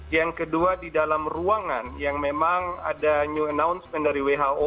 yang kedua di dalam ruangan yang memang ada new announcement dari who